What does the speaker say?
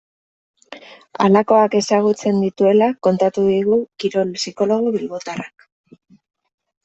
Halakoak ezagutzen dituela kontatu digu kirol psikologo bilbotarrak.